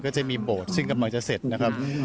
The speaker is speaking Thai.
ก็จะมีโบสถ์ซึ่งกำลังจะเสร็จนะครับ